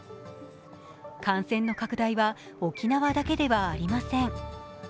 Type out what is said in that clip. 感染の拡大は沖縄だけではありません。